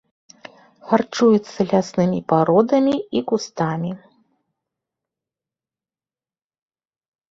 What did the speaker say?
Харчуецца ляснымі пародамі і кустамі.